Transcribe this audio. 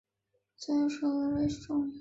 作为欧洲自由贸易联盟成员国的瑞士中。